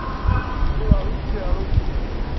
手は打ってある。